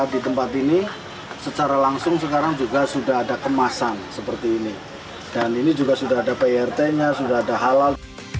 dan ini juga sudah ada prt nya sudah ada halal